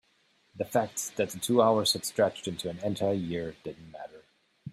the fact that the two hours had stretched into an entire year didn't matter.